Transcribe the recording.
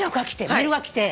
メールが来て。